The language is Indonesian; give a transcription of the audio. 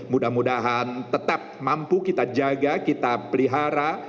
mudah mudahan tetap mampu kita jaga kita pelihara